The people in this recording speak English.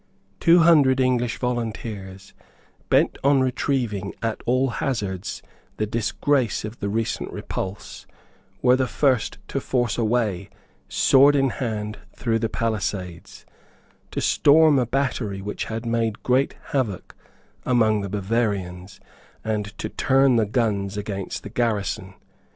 Two hundred English volunteers, bent on retrieving at all hazards the disgrace of the recent repulse, were the first to force a way, sword in hand, through the palisades, to storm a battery which had made great havoc among the Bavarians, and to turn the guns against the garrison.